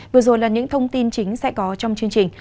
vừa rồi là những thông tin chính sẽ có trong chương trình